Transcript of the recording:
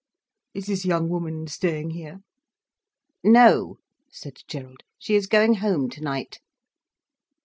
Is this young woman staying here?" "No," said Gerald. "She is going home tonight."